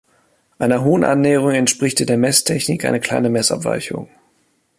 Einer hohen Annäherung entspricht in der Messtechnik eine kleine Messabweichung.